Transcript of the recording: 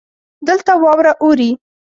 دلته واوره اوري.